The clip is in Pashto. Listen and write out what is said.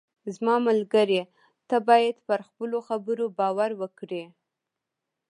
زما ملګری، ته باید پر خپلو خبرو باور وکړې.